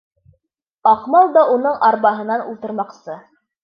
Аҡмал да уның арбаһына ултырмаҡсы.